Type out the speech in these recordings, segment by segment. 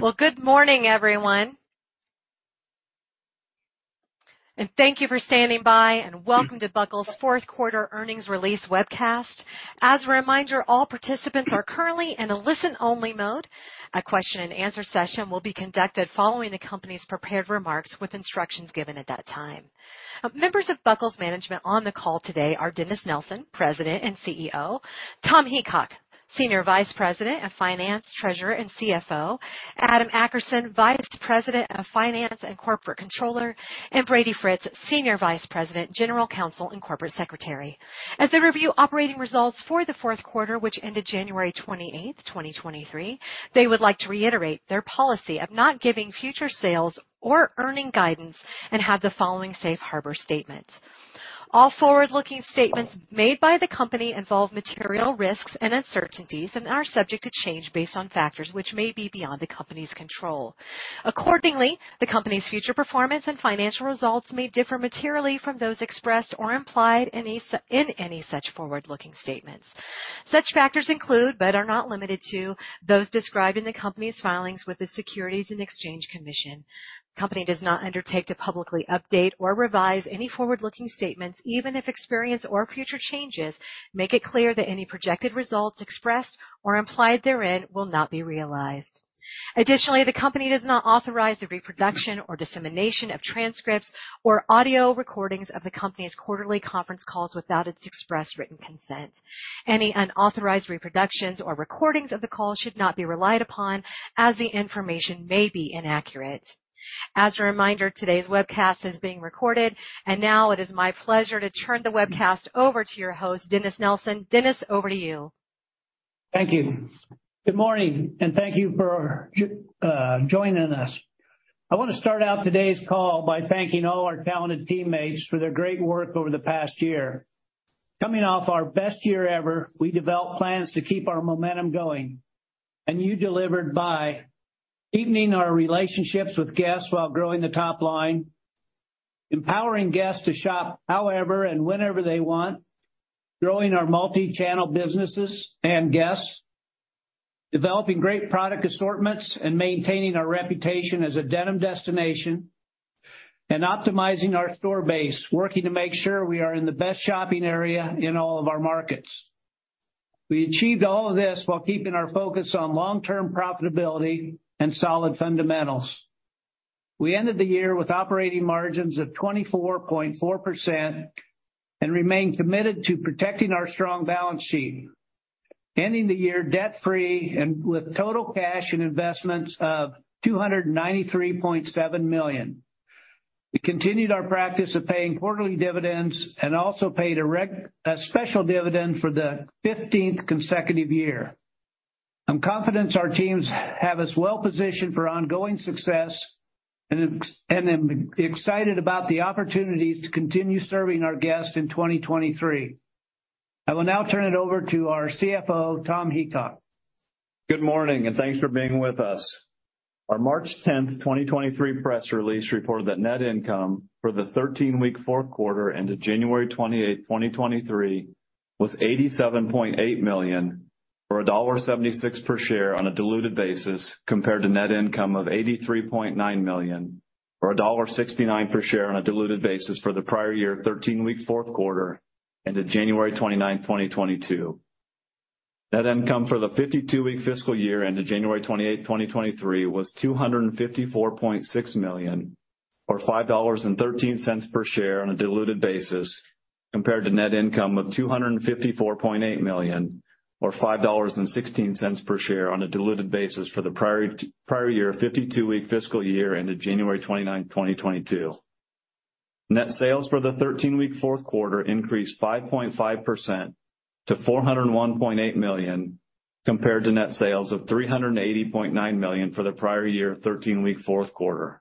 Well, good morning, everyone. Thank you for standing by, and welcome to Buckle's 4th quarter earnings release webcast. As a reminder, all participants are currently in a listen-only mode. A question-and-answer session will be conducted following the company's prepared remarks, with instructions given at that time. Members of Buckle's management on the call today are Dennis Nelson, President and CEO; Tom Heacock, Senior Vice President of Finance, Treasurer, and CFO; Adam Akerson, Vice President of Finance and Corporate Controller; and Brady Fritz, Senior Vice President, General Counsel, and Corporate Secretary. As they review operating results for the 4th quarter, which ended January 28th, 2023, they would like to reiterate their policy of not giving future sales or earning guidance and have the following safe harbor statement. All forward-looking statements made by the company involve material risks and uncertainties and are subject to change based on factors which may be beyond the company's control. Accordingly, the company's future performance and financial results may differ materially from those expressed or implied in any such forward-looking statements. Such factors include, but are not limited to, those described in the company's filings with the Securities and Exchange Commission. Company does not undertake to publicly update or revise any forward-looking statements, even if experience or future changes make it clear that any projected results expressed or implied therein will not be realized. Additionally, the company does not authorize the reproduction or dissemination of transcripts or audio recordings of the company's quarterly conference calls without its express written consent. Any unauthorized reproductions or recordings of the call should not be relied upon, as the information may be inaccurate. As a reminder, today's webcast is being recorded. Now it is my pleasure to turn the webcast over to your host, Dennis Nelson. Dennis, over to you. Thank you. Good morning, and thank you for joining us. I wanna start out today's call by thanking all our talented teammates for their great work over the past year. Coming off our best year ever, we developed plans to keep our momentum going, and you delivered by deepening our relationships with guests while growing the top line, empowering guests to shop however and whenever they want, growing our multi-channel businesses and guests, developing great product assortments and maintaining our reputation as a denim destination, and optimizing our store base, working to make sure we are in the best shopping area in all of our markets. We achieved all of this while keeping our focus on long-term profitability and solid fundamentals. We ended the year with operating margins of 24.4% and remain committed to protecting our strong balance sheet, ending the year debt-free and with total cash and investments of $293.7 million. We continued our practice of paying quarterly dividends and also paid a special dividend for the 15th consecutive year. I'm confident our teams have us well positioned for ongoing success and I'm excited about the opportunities to continue serving our guests in 2023. I will now turn it over to our CFO, Tom Heacock. Good morning. Thanks for being with us. Our March 10, 2023 press release reported that net income for the 13-week fourth quarter into January 28, 2023 was $87.8 million, or $1.76 per share on a diluted basis, compared to net income of $83.9 million, or $1.69 per share on a diluted basis for the prior year 13-week Q4 into January 29, 2022. Net income for the 52-week fiscal year into January 28th, 2023 was $254.6 million or $5.13 per share on a diluted basis compared to net income of $254.8 million or $5.16 per share on a diluted basis for the prior year 52-week fiscal year into January 29th, 2022. Net sales for the 13-week Q4 increased 5.5% to $401.8 million compared to net sales of $380.9 million for the prior year 13-week Q4.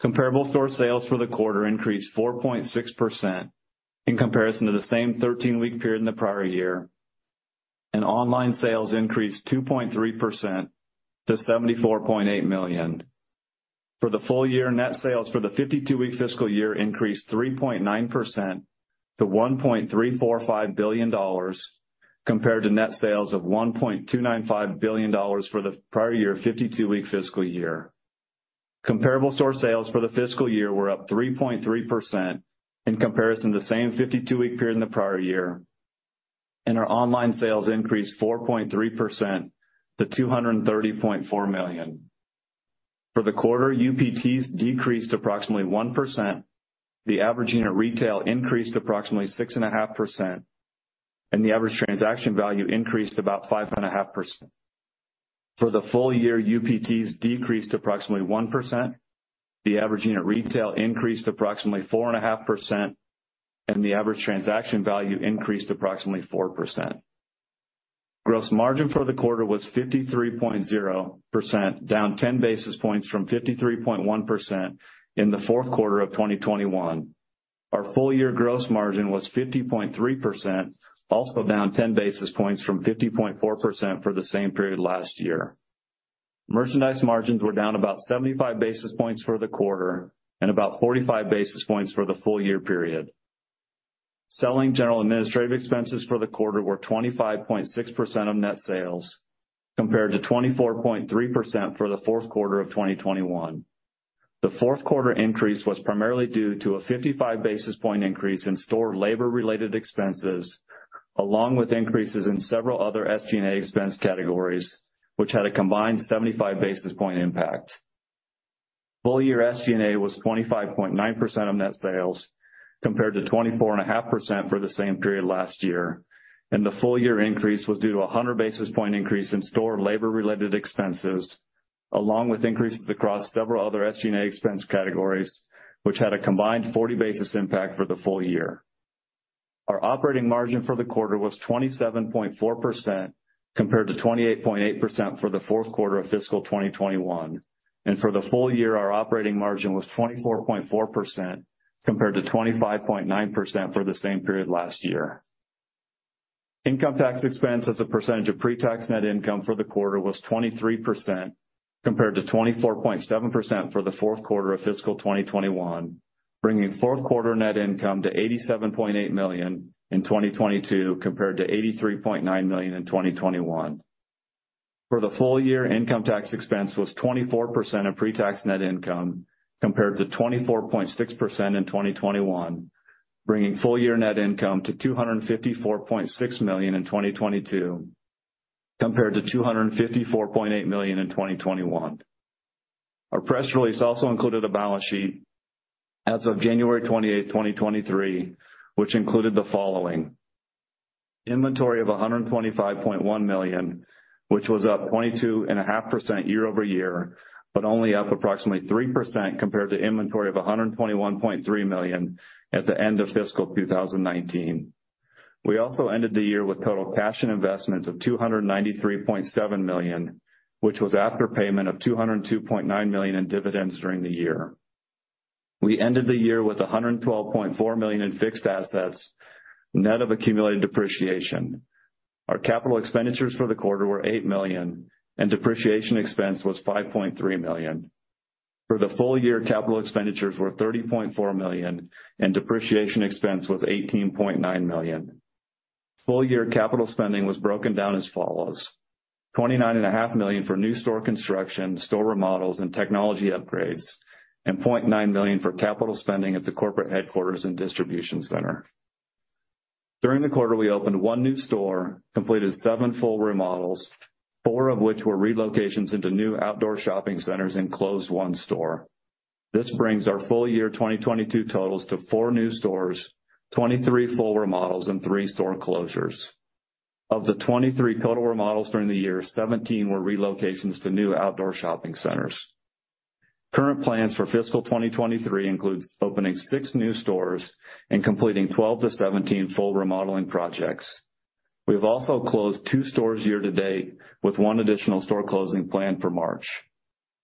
Comparable store sales for the quarter increased 4.6% in comparison to the same 13-week period in the prior year, and online sales increased 2.3% to $74.8 million. For the full year, net sales for the fifty-two-week fiscal year increased 3.9% to $1.345 billion compared to net sales of $1.295 billion for the prior year 52-week fiscal year. Comparable store sales for the fiscal year were up 3.3% in comparison to the same 52-week period in the prior year. Our online sales increased 4.3% to $230.4 million. For the quarter, UPTs decreased approximately 1%. The average unit retail increased approximately 6.5%, and the average transaction value increased about 5.5%. For the full year, UPTs decreased approximately 1%. The average unit retail increased approximately 4.5%, and the average transaction value increased approximately 4%. Gross margin for the quarter was 53.0%, down 10 basis points from 53.1% in the Q4 of 2021. Our full year gross margin was 50.3%, also down 10 basis points from 50.4% for the same period last year. Merchandise margins were down about 75 basis points for the quarter and about 45 basis points for the full year period. Selling general administrative expenses for the quarter were 25.6% of net sales, compared to 24.3% for the Q4 of 2021. The fourth quarter increase was primarily due to a 55 basis point increase in store labor related expenses, along with increases in several other SG&A expense categories, which had a combined 75 basis point impact. Full year SG&A was 25.9% of net sales, compared to 24.5% for the same period last year, the full year increase was due to 100 basis point increase in store labor related expenses, along with increases across several other SG&A expense categories, which had a combined 40 basis impact for the full year. Our operating margin for the quarter was 27.4% compared to 28.8% for the Q4 of FY 2021. For the full year, our operating margin was 24.4% compared to 25.9% for the same period last year. Income tax expense as a percentage of pre-tax net income for the quarter was 23%, compared to 24.7% for the Q4 of FY 2021, bringing Q4 net income to $87.8 million in 2022 compared to $83.9 million in 2021. For the full year, income tax expense was 24% of pre-tax net income, compared to 24.6% in 2021, bringing full year net income to $254.6 million in 2022, compared to $254.8 million in 2021. Our press release also included a balance sheet as of January 28th, 2023, which included the following: inventory of $125.1 million, which was up 22.5% YoY, but only up approximately 3% compared to inventory of $121.3 million at the end of FY 2019. We also ended the year with total cash and investments of $293.7 million, which was after payment of $202.9 million in dividends during the year. We ended the year with $112.4 million in fixed assets net of accumulated depreciation. Our capital expenditures for the quarter were $8 million, and depreciation expense was $5.3 million. For the full year, capital expenditures were $30.4 million, and depreciation expense was $18.9 million. Full year capital spending was broken down as follows: $29.5 million for new store construction, store remodels and technology upgrades, and $0.9 million for capital spending at the corporate headquarters and distribution center. During the quarter, we opened one new store, completed seven full remodels, four of which were relocations into new outdoor shopping centers and closed one store. This brings our full year 2022 totals to four new stores, 23 full remodels and three store closures. Of the 23 total remodels during the year, 17 were relocations to new outdoor shopping centers. Current plans for FY 2023 includes opening two new stores and completing 12-17 full remodeling projects. We've also closed two stores year to date, with one additional store closing planned for March.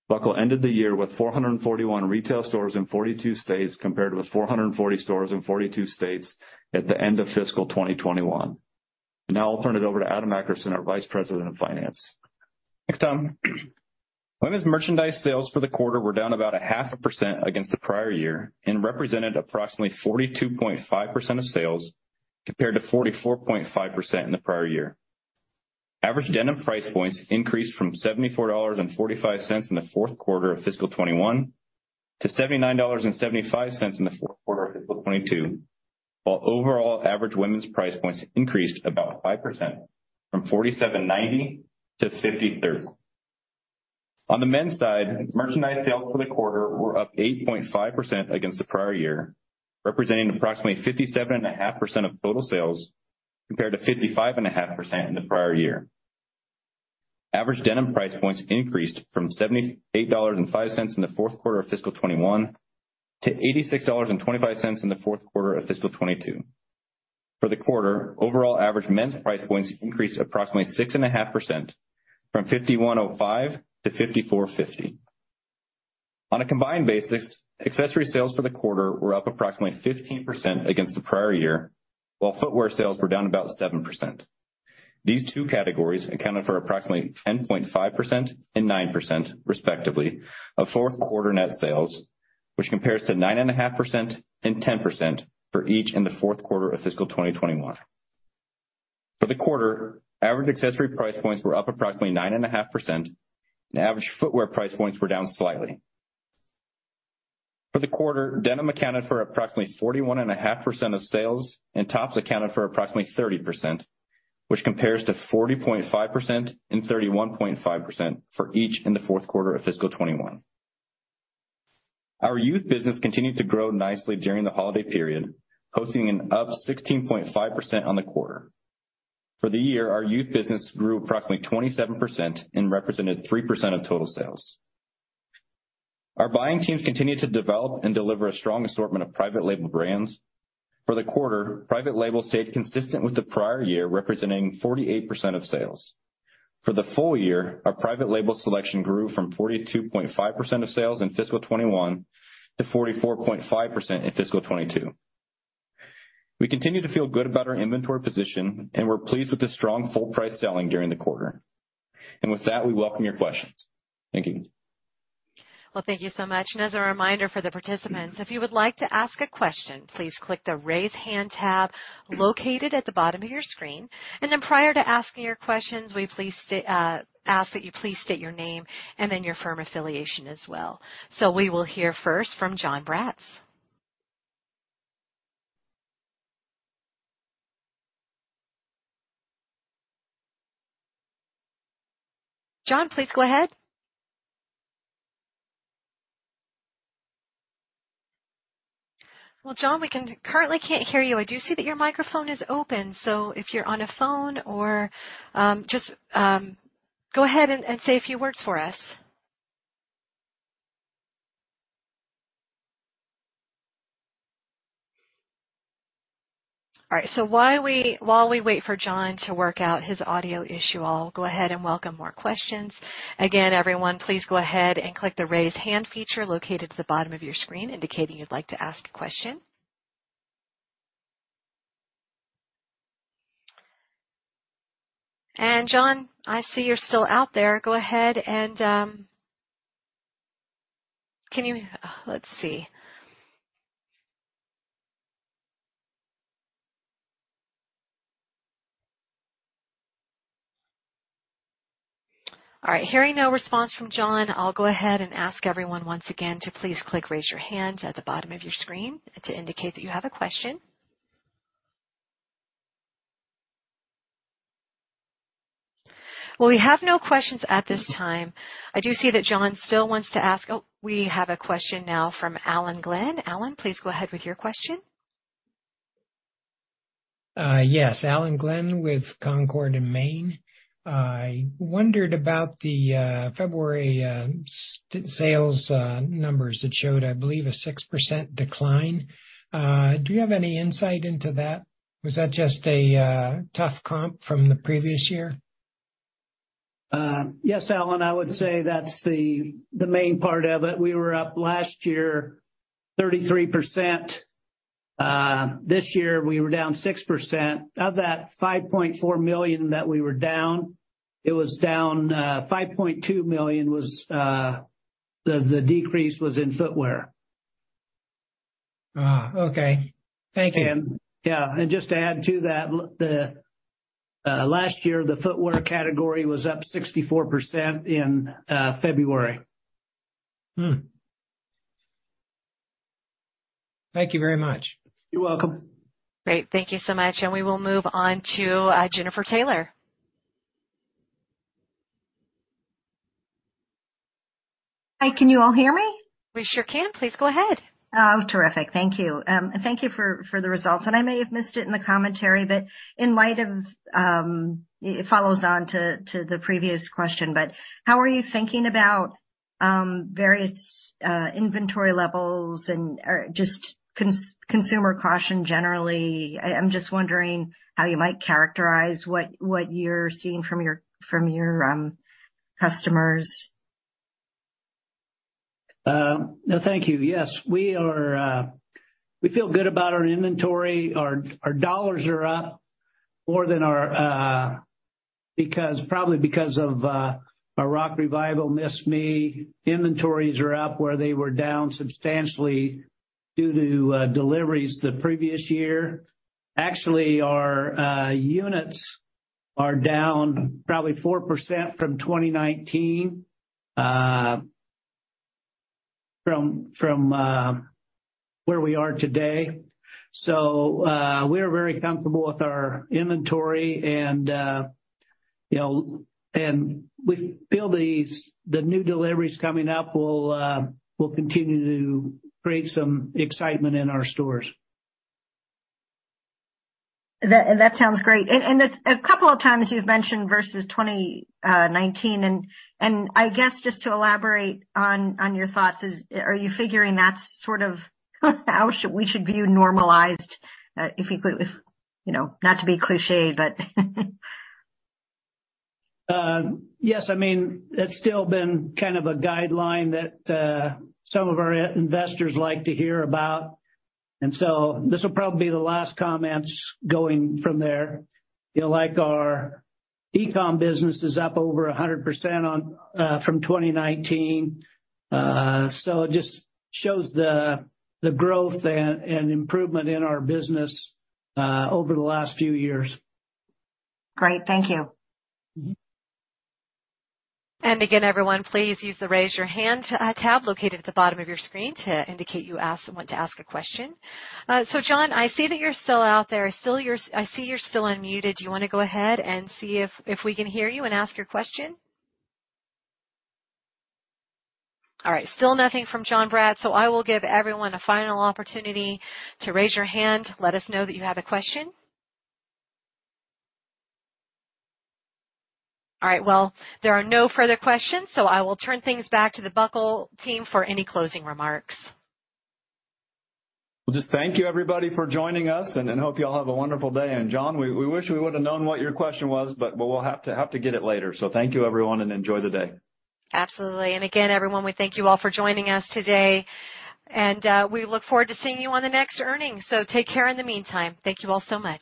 Buckle ended the year with 441 retail stores in 42 states, compared with 440 stores in 42 states at the end of FY 2021. I'll turn it over to Adam Akerson, our Vice President of Finance. Thanks, Tom. Women's merchandise sales for the quarter were down about 0.5% against the prior year and represented approximately 42.5% of sales, compared to 44.5% in the prior year. Average denim price points increased from $74.45 in the Q4 of FY 2021 to $79.75 in the Q4 of FY 2022, while overall average women's price points increased about 5% from $47.90-$50.30. On the men's side, merchandise sales for the quarter were up 8.5% against the prior year, representing approximately 57.5% of total sales, compared to 55.5% in the prior year. Average denim price points increased from $78.05 in the Q4 of FY 2021 to $86.25 in the Q4 of FY 2022. For the quarter, overall average men's price points increased approximately 6.5% from $51.05-$54.50. On a combined basis, accessory sales for the quarter were up approximately 15% against the prior year, while footwear sales were down about 7%. These two categories accounted for approximately 10.5% and 9%, respectively, of fourth quarter net sales, which compares to 9.5% and 10% for each in the Q4 of FY 2021. For the quarter, average accessory price points were up approximately 9.5%, and average footwear price points were down slightly. For the quarter, denim accounted for approximately 41.5% of sales, and tops accounted for approximately 30%, which compares to 40.5% and 31.5% for each in the Q4 of FY 2021. Our youth business continued to grow nicely during the holiday period, posting an up 16.5% on the quarter. For the year, our youth business grew approximately 27% and represented 3% of total sales. Our buying teams continued to develop and deliver a strong assortment of private label brands. For the quarter, private label stayed consistent with the prior year, representing 48% of sales. For the full year, our private label selection grew from 42.5% of sales in FY 2021 to 44.5% in FY 2022. We continue to feel good about our inventory position, and we're pleased with the strong full price selling during the quarter. With that, we welcome your questions. Thank you. Well, thank you so much. As a reminder for the participants, if you would like to ask a question, please click the Raise Hand tab located at the bottom of your screen. Then prior to asking your questions, we please ask that you please state your name and then your firm affiliation as well. We will hear first from John Braatz. John, please go ahead. Well, John, we currently can't hear you. I do see that your microphone is open, so if you're on a phone or, just, go ahead and say a few words for us. All right. While we wait for John to work out his audio issue, I'll go ahead and welcome more questions. Again, everyone, please go ahead and click the Raise Hand feature located at the bottom of your screen, indicating you'd like to ask a question. John, I see you're still out there. Go ahead. Let's see. All right. Hearing no response from John, I'll go ahead and ask everyone once again to please click Raise Your Hand at the bottom of your screen to indicate that you have a question. Well, we have no questions at this time. I do see that John still wants to ask. Oh, we have a question now from Alan Glenn. Alan, please go ahead with your question. yes, Alan Glenn with Concord & Main. I wondered about the February sales numbers that showed, I believe, a 6% decline. Do you have any insight into that? Was that just a tough comp from the previous year? Alan. I would say that's the main part of it. We were up last year 33%. This year, we were down 6%. Of that $5.4 million that we were down, it was down $5.2 million, the decrease was in footwear. Okay. Thank you. Yeah. Just to add to that, last year, the footwear category was up 64% in February. Thank you very much. You're welcome. Great. Thank you so much. We will move on to, Jenifer Taylor. Hi. Can you all hear me? We sure can. Please go ahead. Oh, terrific. Thank you. Thank you for the results. I may have missed it in the commentary, but in light of, it follows on to the previous question, but how are you thinking about various inventory levels and, or just consumer caution generally? I'm just wondering how you might characterize what you're seeing from your customers? No, thank you. Yes, we feel good about our inventory. Our dollars are up more than our, probably because of Rock Revival, Miss Me, inventories are up where they were down substantially due to deliveries the previous year. Actually, our units are down probably 4% from 2019, from where we are today. We are very comfortable with our inventory and, you know, and we feel the new deliveries coming up will continue to create some excitement in our stores. That sounds great. A couple of times you've mentioned versus 2019, I guess just to elaborate on your thoughts, are you figuring that's sort of how we should view normalized, if you could, you know, not to be cliché, but? Yes. I mean, it's still been kind of a guideline that, some of our investors like to hear about, and so this will probably be the last comments going from there. You know, like, our e-com business is up over 100% on, from 2019. It just shows the growth and improvement in our business, over the last few years. Great. Thank you. Mm-hmm. Again, everyone, please use the Raise Your Hand tab located at the bottom of your screen to indicate you want to ask a question. John, I see that you're still out there. I see you're still unmuted. Do you wanna go ahead and see if we can hear you and ask your question? All right. Still nothing from John Braatz. I will give everyone a final opportunity to raise your hand, let us know that you have a question. All right. There are no further questions. I will turn things back to The Buckle team for any closing remarks. Well, just thank you, everybody, for joining us, and hope you all have a wonderful day. John, we wish we would've known what your question was, but we'll have to get it later. Thank you, everyone, and enjoy the day. Absolutely. Again, everyone, we thank you all for joining us today, and we look forward to seeing you on the next earnings. Take care in the meantime. Thank you all so much.